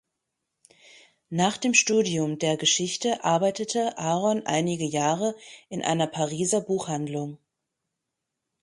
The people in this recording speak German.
Nach dem Studium der Geschichte arbeitete Aaron einige Jahre in einer Pariser Buchhandlung.